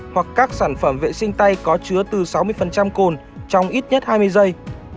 hoặc các sản phẩm vệ sinh tay có chứa từ sáu mươi cồn trong ít nhất hai mươi giây